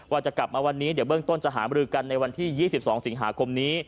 ว่าจะกลับมาวันนี้เดี๋ยวเบื้องต้นจะหามรือกันในวันที่๒๒สิงหาคมนี้